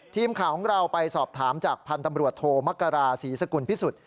ทีมข่าวของเราไปสอบถามจากพันธ์ตำรวจโทมกราศรีสกุลพิสุทธิ์